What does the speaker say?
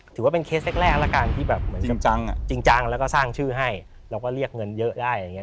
ถือว่าเป็นเคสแรกแล้วกันที่แบบจริงแล้วก็สร้างชื่อให้เราก็เรียกเงินเยอะได้